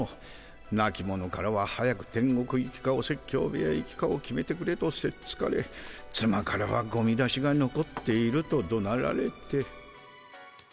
なき者からは早く天国行きかお説教部屋行きかを決めてくれとせっつかれつまからはゴミ出しがのこっているとどなられて。